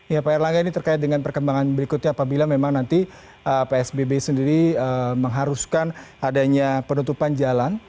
ya pak erlangga ini terkait dengan perkembangan berikutnya apabila memang nanti psbb sendiri mengharuskan adanya penutupan jalan